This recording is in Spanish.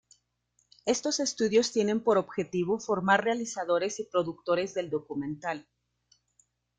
Estos estudios tienen por objetivo formar realizadores y productores del documental.